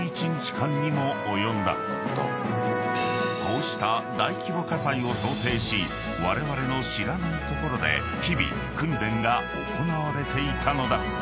［こうした大規模火災を想定しわれわれの知らない所で日々訓練が行われていたのだ］